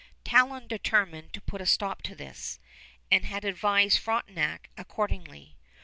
Talon determined to put a stop to this, and had advised Frontenac accordingly.